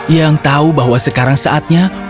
yang tahu bahwa sekarang saatnya